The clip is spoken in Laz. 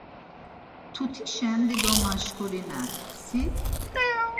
Mtutişen dido maşkurinen. Si?